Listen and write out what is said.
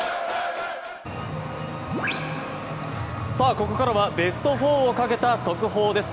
ここからはベスト４をかけた速報です。